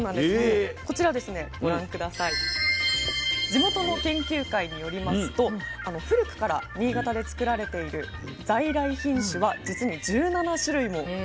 地元の研究会によりますと古くから新潟で作られている在来品種はじつに１７種類もあるんです。